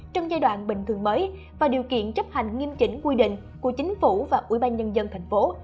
trong giai đoạn bình thường mới và điều kiện chấp hành nghiêm chỉnh quy định của chính phủ và ubnd tp